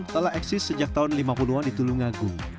telah eksis sejak tahun lima puluh an di tulungagung